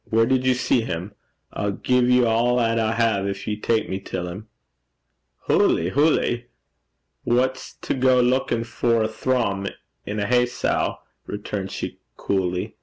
'Where did you see him? I'll gie ye a' 'at I hae gin ye'll tak me till him.' 'Hooly! hooly! Wha's to gang luikin' for a thrum in a hay sow?' returned she, coolly.